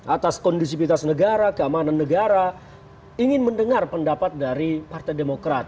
atas kondusivitas negara keamanan negara ingin mendengar pendapat dari partai demokrat